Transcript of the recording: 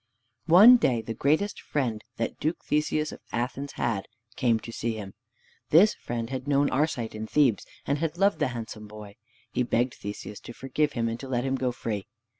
One day the greatest friend that Duke Theseus of Athens had, came to see him. This friend had known Arcite in Thebes, and had loved the handsome boy. He begged Theseus to forgive him, and to let him go free.